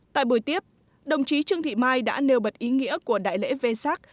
tại buổi tiếp đồng chí trương thị mai đã nêu bật ý nghĩa của đại lễ v sac